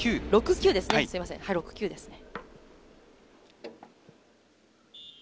６９ですね。